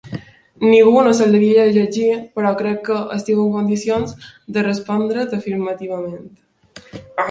Ningú no se'l devia llegir, però crec que estic en condicions de respondre't afirmativament.